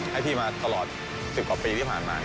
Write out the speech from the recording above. ให้พี่มาตลอด๑๐กว่าปีที่ผ่านมา